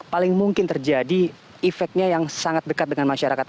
paling mungkin terjadi efeknya yang sangat dekat dengan masyarakat